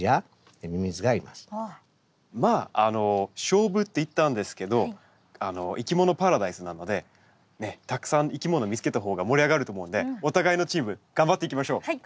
まあ勝負って言ったんですけど「いきものパラダイス」なのでたくさんいきもの見つけたほうが盛り上がると思うんでお互いのチーム頑張っていきましょう。